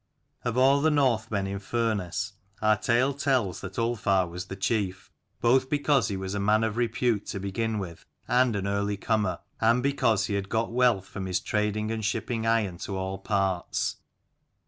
Of all the Northmen in Furness our tale tells that Ulfar was the chief, both because he was a man of repute to begin with, and an early comer, and because he had got wealth from his trading and shipping iron to all parts.